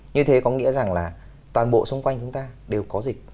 như thế có nghĩa rằng là toàn bộ xung quanh chúng ta đều có dịch